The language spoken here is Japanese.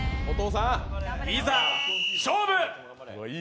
いざ、勝負！